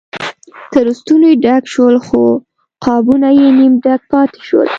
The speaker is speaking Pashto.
تر ستوني ډک شول خو قابونه یې نیم ډک پاتې شول.